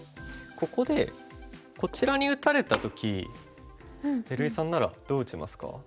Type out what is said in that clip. ここでこちらに打たれた時照井さんならどう打ちますか？